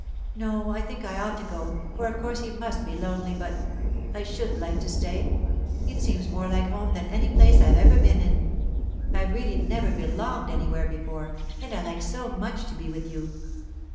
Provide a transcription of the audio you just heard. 'No, I think I ought to go, for of course he must be lonely but—I should like to stay! It seems more like home than any place I've ever been in. I've really never belonged anywhere before, and I like so much to be with you.